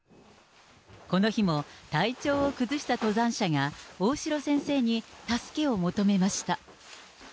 この日も、体調を崩した登山者が大城先生に助けを求めました。